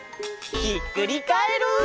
ひっくりカエル！